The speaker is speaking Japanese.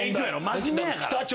真面目やから。